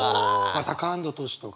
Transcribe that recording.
タカアンドトシとか。